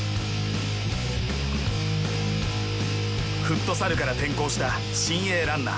フットサルから転向した新鋭ランナー。